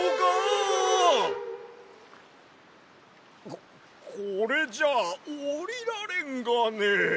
ここれじゃおりられんがね。